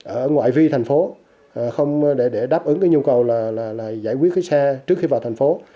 ở ngoại vi thành phố không để đáp ứng nhu cầu giải quyết xe trước khi vào thành phố